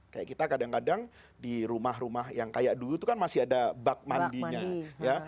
kayak kita kadang kadang di rumah rumah yang kayak dulu itu kan masih ada bak mandinya ya